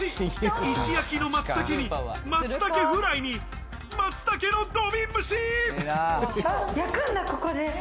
石焼きの松茸に松茸フライに松茸の土瓶蒸し！